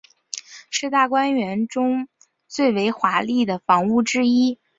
是大观园中最为华丽的房屋之一。